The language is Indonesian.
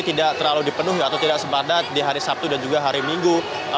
tidak terlalu dipenuhi atau tidak sepadat di hari sabtu dan juga hari minggu